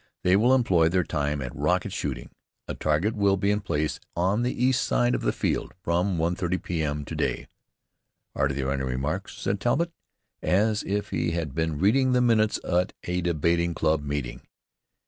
They will employ their time at rocket shooting. A target will be in place on the east side of the field from 1.30 P.M. to day. "Are there any remarks?" said Talbott, as if he had been reading the minutes at a debating club meeting.